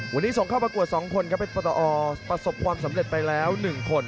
วันนี้ส่งเข้าประกวด๒คนครับเป็นปตอประสบความสำเร็จไปแล้ว๑คน